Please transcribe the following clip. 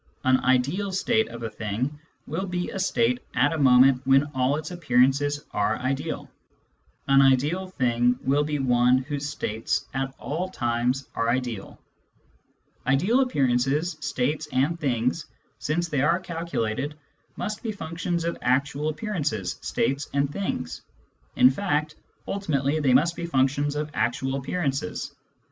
An " ideal " state of a thing will be a state at a moment when all its appearances are ideal. An ideal Digitized by Google 112 SCIENTIFIC METHOD IN PHILOSOPHY thing will be one whose states at all times are ideal. Ideal appearances, states, and things, since they arc calculated, must be functions of actual appearances, states, and things ; in fact, ultimately, they must be functions of actual appearances.